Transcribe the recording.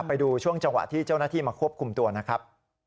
ไปดูช่วงจังหวะที่เจ้าหน้าที่มาควบคุมตัวนะครับ